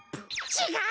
ちがう！